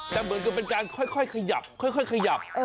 แต่เหมือนกับเป็นการค่อยขยับค่อยขยับ